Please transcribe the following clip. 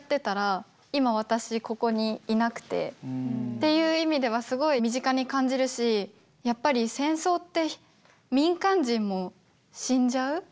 っていう意味ではすごい身近に感じるしやっぱり戦争って民間人も死んじゃう。